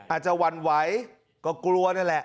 อาจจะหวั่นไหวก็กลัวนั่นแหละ